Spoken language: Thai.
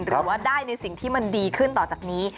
หรือว่าได้ในสิ่งที่มันดีขึ้นต่อจากนี้